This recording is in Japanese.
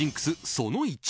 その１。